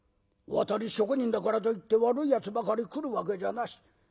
渡り職人だからといって悪いやつばかり来るわけじゃなし。